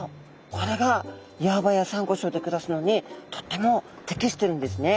これが岩場やサンゴ礁で暮らすのにとっても適してるんですね。